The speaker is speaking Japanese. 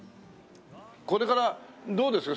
これからどうですか？